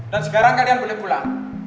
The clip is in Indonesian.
dan sekarang kalian boleh pulang